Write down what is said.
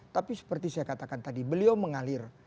tapi seperti saya katakan tadi beliau mengalir